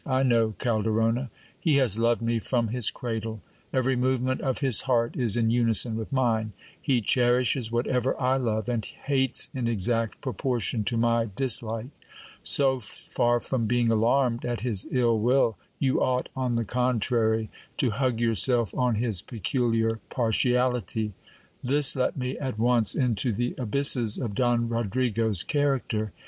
I know Calderona. He has loved me from his cradle. Every movement of his heart is in unison with mine. He cherishes whatever I love, and hates in exact pro portion to my dislike. So far from being alarmed at his ill will, you ought, on the contrary, to hug yourself on his peculiar partiality. This let me at once into the abysses of Don Rodrigo's character.